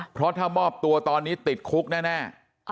เพราะถ้ามอบตัวตอนนี้ติดคุกแน่